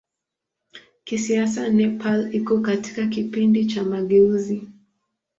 Kisiasa Nepal iko katika kipindi cha mageuzi.